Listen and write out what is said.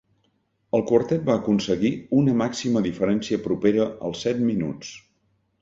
El quartet va aconseguir una màxima diferència propera als set minuts.